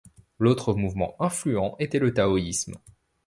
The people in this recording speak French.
L'autre mouvement influent était le taoïsme.